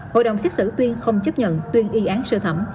hội đồng xét xử tuyên không chấp nhận tuyên y án sơ thẩm